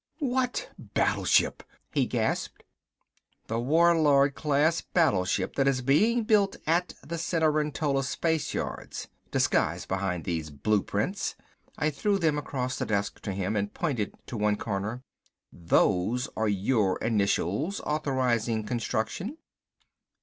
"What battleship!" he gasped. "The Warlord class battleship that is being built at the Cenerentola Spaceyards. Disguised behind these blueprints." I threw them across the desk to him, and pointed to one corner. "Those are your initials there, authorizing construction."